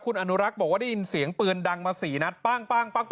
คุณอนุรักษ์บอกว่าได้ยินเสียงปืนดังมา๔นัดปั้ง